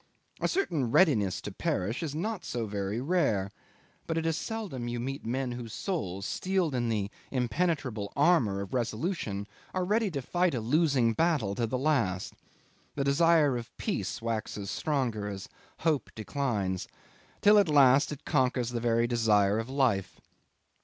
A certain readiness to perish is not so very rare, but it is seldom that you meet men whose souls, steeled in the impenetrable armour of resolution, are ready to fight a losing battle to the last; the desire of peace waxes stronger as hope declines, till at last it conquers the very desire of life.